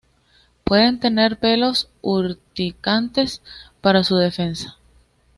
Pueden tener pelos urticantes para su defensa.